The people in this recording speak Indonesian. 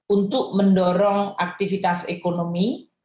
untuk mendorong aktivitas ekonomi